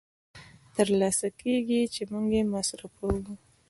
تر لاسه کېږي چې موږ یې مصرفوو